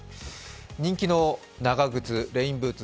人気の長靴、レインブーツ